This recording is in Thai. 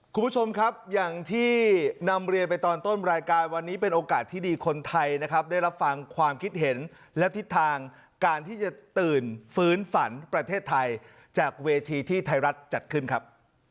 คุณผู้ชมครับอย่างที่นำเรียนไปตอนต้นรายการวันนี้เป็นโอกาสที่ดีคนไทยนะครับได้รับฟังความคิดเห็นและทิศทางการที่จะตื่นฟื้นฝันประเทศไทยจากเวทีที่ไทยรัฐจัดขึ้นครับ